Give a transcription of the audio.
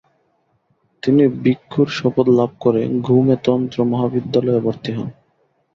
তিনি ভিক্ষুর শপথ লাভ করে গ্যুমে তন্ত্র মহাবিদ্যালয়ে ভর্তি হন।